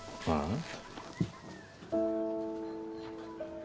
ああ？